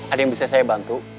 ada yang bisa saya bantu